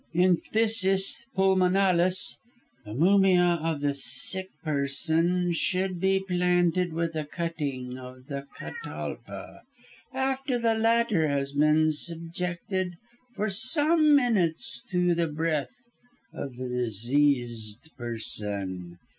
"In phthisis pulmonalis, the mumia of the sick person should be planted with a cutting of the catalpa, after the latter has been subjected for some minutes to the breath of the diseased person.